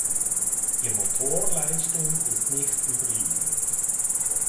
Die Motorleistung ist nicht überliefert.